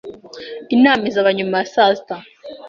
Inama izaba nyuma ya saa sita.